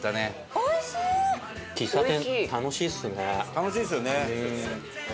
楽しいですよね。